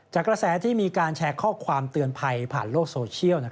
กระแสที่มีการแชร์ข้อความเตือนภัยผ่านโลกโซเชียล